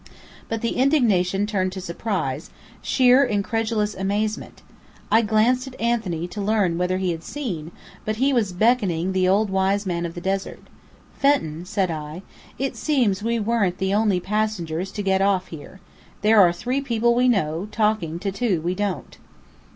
But the indignation turned to surprise, sheer incredulous amazement. I glanced at Anthony to learn whether he had seen; but he was beckoning the old wise man of the desert. "Fenton," said I, "it seems we weren't the only passengers to get off here. There are three people we know, talking to two we don't."